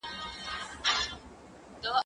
کېدای سي مرسته ناکامه وي!.